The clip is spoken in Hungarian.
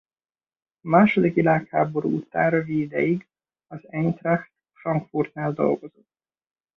A második világháború után rövid ideig az Eintracht Frankfurtnál dolgozott.